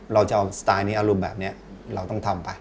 เราจะเอาสไตล์นี้อารมณ์แบบนี้เราต้องทำไป